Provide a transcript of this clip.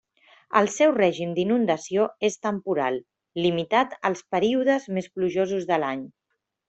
El seu règim d'inundació és temporal, limitat als períodes més plujosos de l'any.